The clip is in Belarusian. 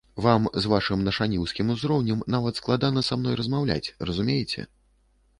Вам, з вашым нашаніўскім узроўнем, нават складана са мной размаўляць, разумееце.